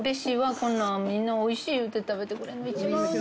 こんなみんな美味しい言うて食べてくれるの一番ね